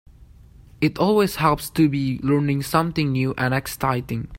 It always helps to be learning something new and exciting.